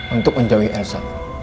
untuk menjauhi elsa